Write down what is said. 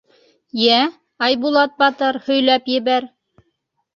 — Йә, Айбулат батыр, һөйләп ебәр.